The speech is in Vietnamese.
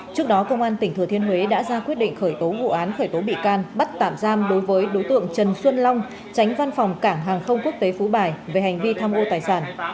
trước đó công an tỉnh thừa thiên huế đã ra quyết định khởi tố vụ án khởi tố bị can bắt tạm giam đối với đối tượng trần xuân long tránh văn phòng cảng hàng không quốc tế phú bài về hành vi tham ô tài sản